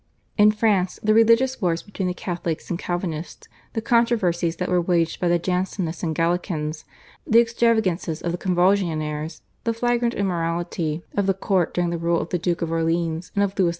In France the religious wars between the Catholics and Calvinists, the controversies that were waged by the Jansenists and Gallicans, the extravagances of the /Convulsionnaires/, the flagrant immorality of the court during the rule of the Duke of Orleans and of Louis XV.